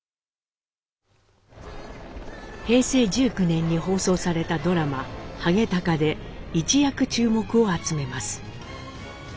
平成１９年に放送されたドラマ「ハゲタカ」で一躍注目を集めます。